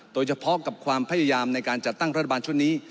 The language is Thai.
โดยเฉพาะกับความพยายามในการจัดตั้งรัฐบาลชุดนี้